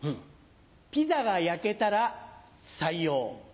ピザが焼けたら採用。